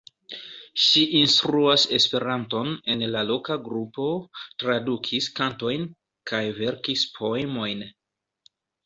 Ŝi instruas Esperanton en la loka grupo, tradukis kantojn kaj verkis poemojn.